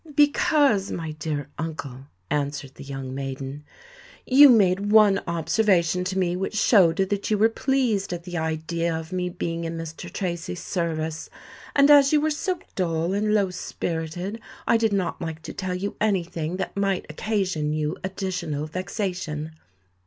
"Because, my dear uncle," answered the young maiden, "you made one observation to me which showed that you were pleased at the idea of me being in Mr. Tracy's service; and as you were so dull and low spirited, I did not like to tell you any thing that might occasion you additional vexation.